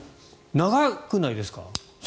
長くないですか？